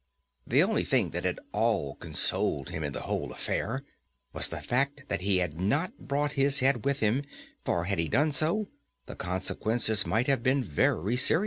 The only thing that at all consoled him in the whole affair was the fact that he had not brought his head with him, for, had he done so, the consequences might have been very serious.